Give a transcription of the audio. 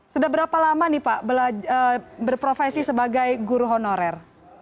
sudah berapa lama nih pak berprofesi sebagai guru honorer